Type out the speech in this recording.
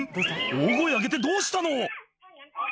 大声上げてどうしたの？